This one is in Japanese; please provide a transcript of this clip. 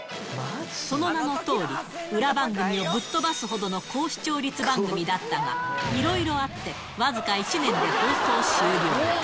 その名のとおり、裏番組をぶっ飛ばすほどの高視聴率番組だったが、いろいろあって、僅か１年で放送終了。